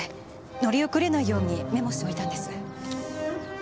乗り遅れないようにメモしておいたんです。